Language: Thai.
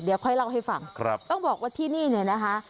เดี๋ยวค่อยเล่าให้ฟังต้องบอกว่าที่นี่เนี่ยนะคะ